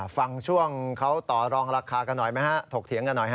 ฟังช่วงเขาต่อรองราคากันหน่อยไหมฮะถกเถียงกันหน่อยฮะ